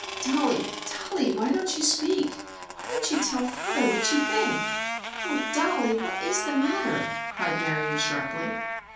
"Dollie! Dollie! Why don't you speak? Why don't you tell father what you think! Oh, Dollie, what is the matter?" cried Marion sharply.